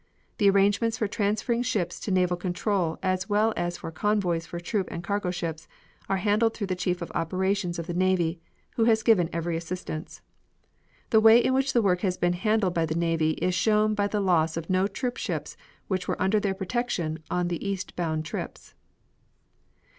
The arrangements for transferring ships to naval control as well as for convoys for troop and cargo ships are handled through the Chief of Operations of the navy, who has given every assistance. The way in which the work has been handled by the navy is shown by the loss of no troop ships which were under their protection on the eastbound trips.